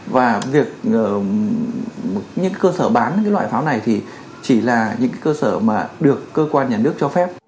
và việc những cơ sở bán cái loại pháo này thì chỉ là những cơ sở mà được cơ quan nhà nước